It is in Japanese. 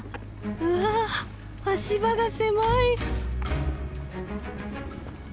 うわ足場が狭い。